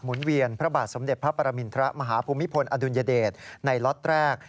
เวียนพระบาทสมเด็จพระปรมินทรมาฮภูมิพลอดุลยเดชในล็อตแรก